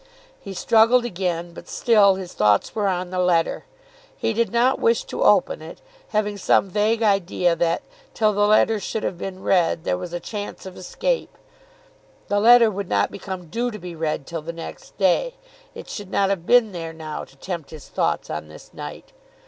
He struggled again, but still his thoughts were on the letter. He did not wish to open it, having some vague idea that, till the letter should have been read, there was a chance of escape. The letter would not become due to be read till the next day. It should not have been there now to tempt his thoughts on this night.